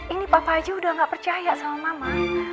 ini papa aja udah gak percaya sama mama